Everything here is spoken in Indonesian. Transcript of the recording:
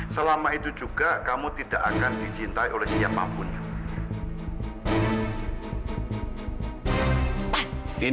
selama itu juga kamu tidak akan dicintai oleh siapapun